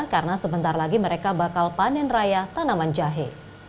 karena sebentar lagi mereka bakal panen raya tanaman jahe